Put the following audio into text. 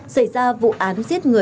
xảy ra vụ án giết ba người